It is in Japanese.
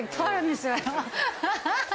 ハハハハ！